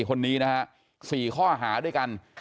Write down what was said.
คนนี้นะฮะ๔ข้อหาด้วยกัน